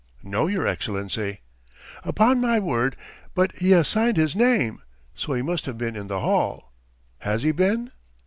"No, your Excellency." "Upon my word, but he has signed his name! So he must have been in the hall. Has he been?"